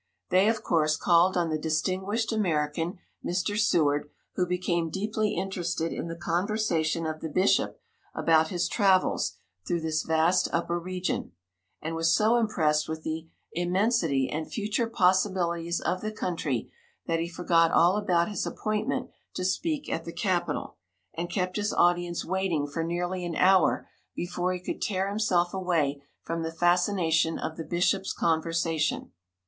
They, of course, called on the distinguished American, Mr. Seward, who became deeply interested in the conversation of the bishop about his travels through this vast upper region, and was so impressed with the immensity and future possibilities of the country that he forgot all about his appointment to speak at the capitol, and kept his audience waiting for nearly an hour before he could tear himself away from the fascination of the bishop's conversation.